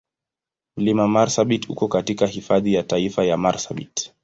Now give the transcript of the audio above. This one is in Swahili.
Mlima Marsabit uko katika Hifadhi ya Taifa ya Marsabit.